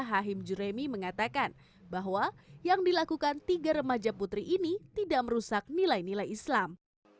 hakim juremi mengatakan bahwa yang dilakukan tiga remaja putri ini tidak merusak nilai nilai islam